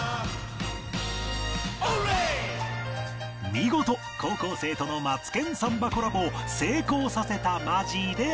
見事高校生との『マツケンサンバ』コラボを成功させたマジーであった